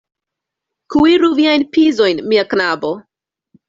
Kuiru viajn pizojn, mia knabo!